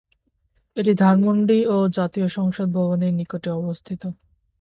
এটি ধানমন্ডি ও জাতীয় সংসদ ভবনের নিকটে অবস্থিত।